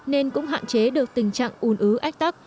nên cũng hạn chế được tình trạng ủn ứ ách tắc